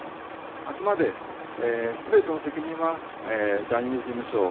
あくまで全ての責任はジャニーズ事務所